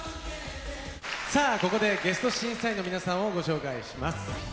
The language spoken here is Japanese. さあここでゲスト審査員の皆さんをご紹介します。